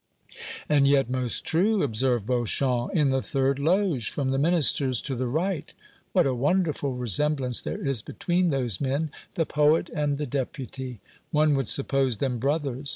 "And yet most true," observed Beauchamp; "in the third loge from the Minister's to the right. What a wonderful resemblance there is between those men the poet and the Deputy! One would suppose them brothers.